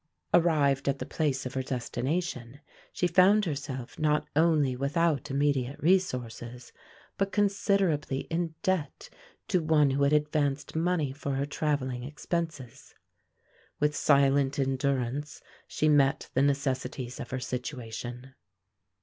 Arrived at the place of her destination, she found herself not only without immediate resources, but considerably in debt to one who had advanced money for her travelling expenses. With silent endurance she met the necessities of her situation.